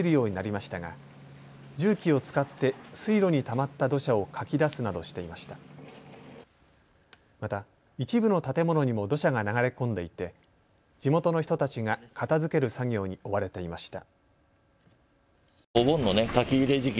また、一部の建物にも土砂が流れ込んでいて地元の人たちが片づける作業に追われていました。